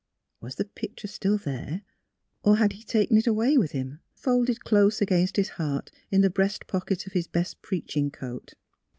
Was the picture still there? or had he taken it away with him, folded close against his heart in the breast pocket of his best preaching coat?